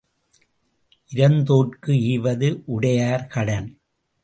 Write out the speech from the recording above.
இரந்தோர்க்கு ஈவது உடையார் கடன்.